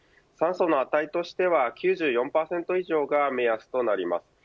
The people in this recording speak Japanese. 酸素の値としては９４％以上が目安となります。